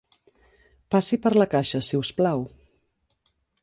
Passi per la caixa, si us plau.